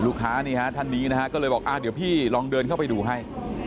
ลูกค้าทันนี้ก็เลยบอกเดี๋ยวพี่ลองเดินเข้าไปดูให้